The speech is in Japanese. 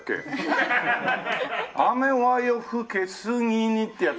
「雨は夜更け過ぎに」ってやつ？